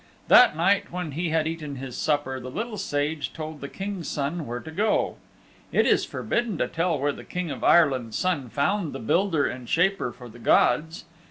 That night, when he had eaten his supper, the Little Sage told the King's Son where to go. It is forbidden to tell where the King of Ireland's Son found the Builder and Shaper for the Gods.